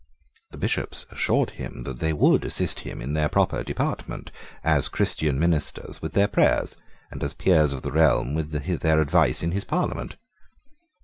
The Bishops assured him that they would assist him in their proper department, as Christian ministers with their prayers, and as peers of the realm with their advice in his Parliament.